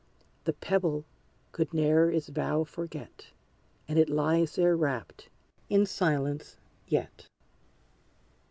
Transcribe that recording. The Pebble could ne'er its vow forget, And it lies there wrapt in silence yet.